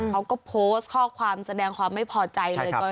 เขาก็โพสต์ข้อความแสดงความไม่พอใจเลย